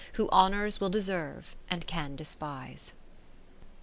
Who honours will deserve, and can despise.